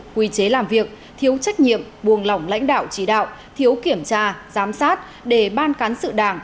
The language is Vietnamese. quy chế làm việc thiếu trách nhiệm buồng lỏng lãnh đạo chỉ đạo thiếu kiểm tra giám sát để ban cán sự đảng